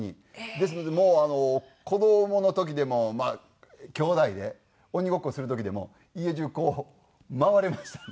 ですのでもう子どもの時でもまあきょうだいで鬼ごっこする時でも家中こう回れましたね。